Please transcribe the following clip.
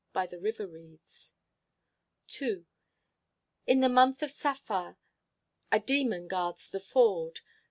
_ By the river reeds II In the month of Saffar _A demon guards the ford.